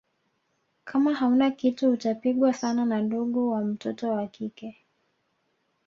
Kama hauna kitu utapigwa sana na ndugu wa mtoto wa kike